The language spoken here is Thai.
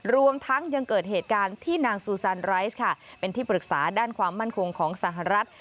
รวมทั้งยังเกิดเหตุการณ์ที่นางซูซันไรซค่ะเป็นที่ปรึกษาด้านความมั่นคงของสหรัฐ